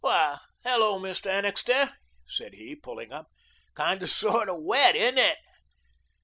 "Why, hello, Mr. Annixter," said he, pulling up. "Kind of sort of wet, isn't it?"